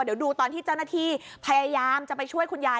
เดี๋ยวดูตอนที่เจ้าหน้าที่พยายามจะไปช่วยคุณยาย